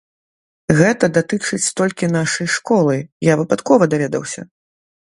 Гэта датычыць толькі нашай школы, я выпадкова даведаўся.